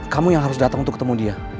kamu yang harus datang untuk ketemu dia